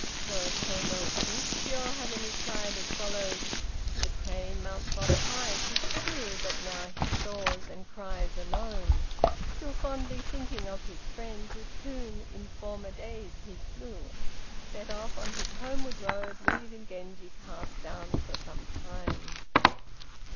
So Tô no Chiûjiô, having replied as follows: "The crane mounts up on high, 'tis true, But now he soars and cries alone, Still fondly thinking of his friend, With whom in former days he flew," set off on his homeward road, leaving Genji cast down for some time.